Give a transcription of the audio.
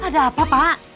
ada apa pak